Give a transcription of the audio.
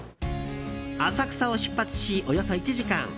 浅草を出発し、およそ１時間。